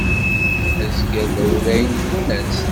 Azger d awlay n tfunast.